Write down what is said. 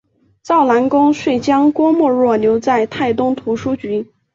赵南公遂将郭沫若留在泰东图书局。